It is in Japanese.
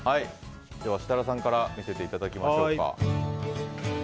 設楽さんから見せていただきましょう。